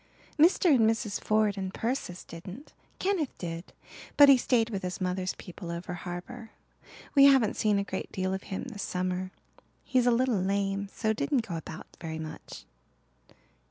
"Mr. and Mrs. Ford and Persis didn't. Kenneth did but he stayed with his mother's people over harbour. We haven't seen a great deal of him this summer. He's a little lame, so didn't go about very much."